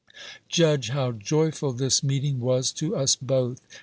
Judge how joyful this meeting was to us both.